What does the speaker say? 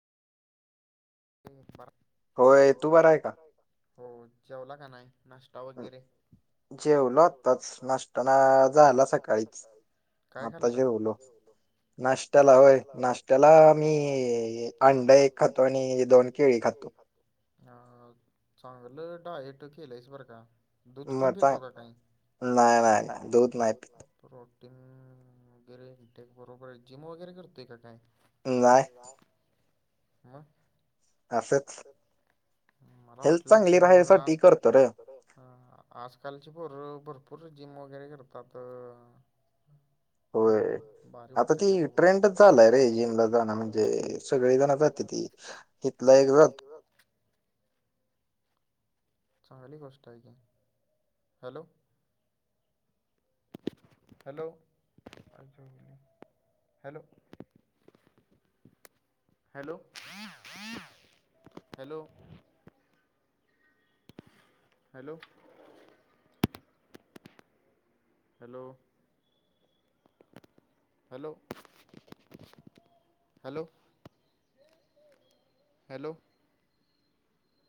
तू बरा आहे का हो जेवला का नाही नाश्ता वगैरे. जेवल आताच नाष्ट ला झाला सकाळीच. आत्ता जेवलो. नाश्त्याला होय नाश्त्याला आम्ही अंडा एक खातोय. खातो आणि दोन केळी खातो. अ चांगलं डायट केलंयस बरं का. म चां नाही नाही नाही दूध नाही पीत. प्रोटीन वगैरे इटेक बरोबर जिम वगैरे करतोय का काय. नाय. नाय. मग. मला वाटलं जिम वर हात. हा हा आजकालची पोरं भरपूर जिम वगैरे करतात. भारी वाटतय ते बघून. सगळे जण [unintelligible] कर तिथला एक र चांगली गोष्ट आहे की hello. [inaudible] Hello hello. Hello hello. Hello. Hello. Hello hello. Hello.